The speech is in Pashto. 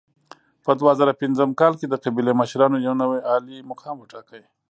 په دوه زره پنځم کال کې د قبیلې مشرانو یو نوی عالي مقام وټاکه.